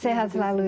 sehat selalu ya